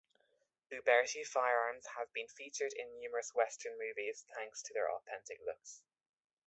Uberti firearms have been featured in numerous Western movies thanks to their authentic looks.